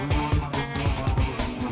gak ada apa apa